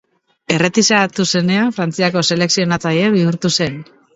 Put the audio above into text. Erretiratu zenean, Frantziako selekzionatzaile bihurtu zen.